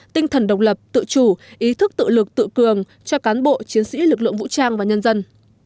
tinh thần độc lập tự chủ ý thức tự lực tự cường cho cán bộ chiến sĩ lực lượng vũ trang và nhân dân